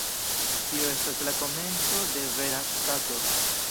Tio estas la komenco de vera ŝtato.